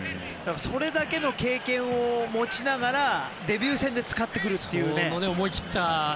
それだけの経験を持ちながらデビュー戦で使ってくるというね。